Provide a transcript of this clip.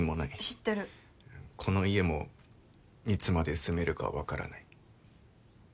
この家もいつまで住めるか分からない。